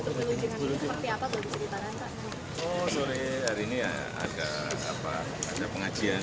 oh sore hari ini ada pengajian